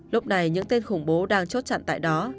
lúc này những tên khủng bố đang chốt chặn tại đó